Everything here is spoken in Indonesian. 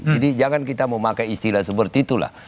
jadi jangan kita mau pakai istilah seperti itulah